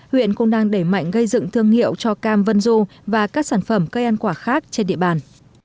huyện cũng đang đẩy mạnh gây dựng thương hiệu cho cam vân du và các sản phẩm cây ăn quả khác trên địa bàn